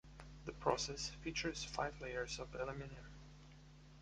The process features five layers of aluminium.